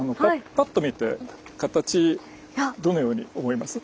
パッと見て形どのように思います？